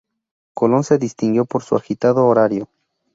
Colón se distinguió por su agitado horario.